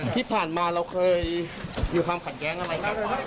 ที่ผ่านมาเราเคยมีความขัดแย้งอะไรครับ